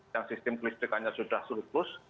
yang sistem listrik hanya sudah sulit